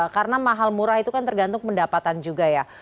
karena mahal murah itu kan tergantung pendapatan juga ya